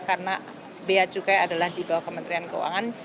karena beacukai adalah di bawah kementerian keuangan